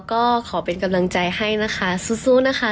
ก็ขอเป็นกำลังใจให้นะคะสู้นะคะ